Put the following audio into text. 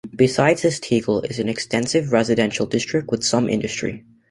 Beside this Tegel is an extensive residential district with some industry.